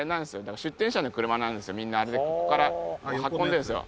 みんなあれでここから運んでるんですよ